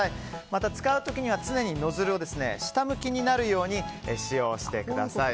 また使う時には常にノズルを下向きになるように使用してください。